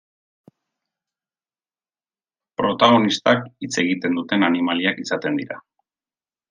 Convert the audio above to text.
Protagonistak hitz egiten duten animaliak izaten dira.